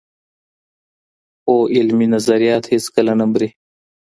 هو علمي نظريات هېڅکله نه مري.